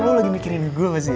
lo lagi mikirin gue pasti ya